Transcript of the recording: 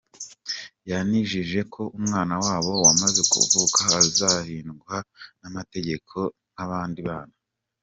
Yanijeje ko umwana wabo wamaze kuvuka azarindwa n’amategeko nk’abandi bana.